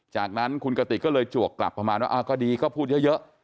จากนั้นคุณกติกก็เลยจวกกลับประมาณว่าก็ดีก็พูดเยอะ